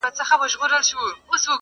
دعوه ګیر وي ور سره ډېري پیسې وي.